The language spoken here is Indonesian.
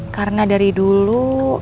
karena dari dulu